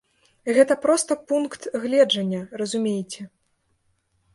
Гэта проста пункт гледжання, разумееце.